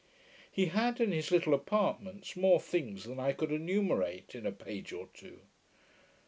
He had, in his little apartments, more things than I could enumerate in a page or two.